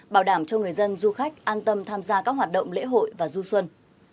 bảo đảm cho người dân du khách an tâm tham gia các hoạt động lễ hội và du xuân